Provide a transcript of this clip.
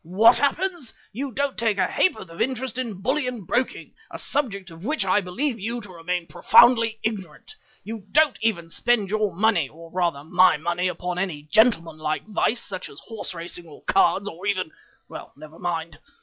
What happens? You don't take a ha'porth of interest in bullion broking, a subject of which I believe you to remain profoundly ignorant. You don't even spend your money, or rather my money, upon any gentleman like vice, such as horse racing, or cards, or even well, never mind.